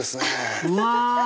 うわ！